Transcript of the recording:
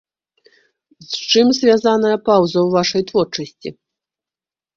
З чым звязаная паўза ў вашай творчасці?